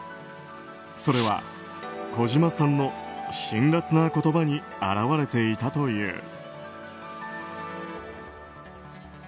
それは、児嶋さんの辛辣な言葉に表れていたという。